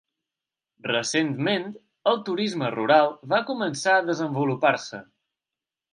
Recentment, el turisme rural va començar a desenvolupar-se.